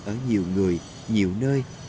ở nhiều người nhiều nơi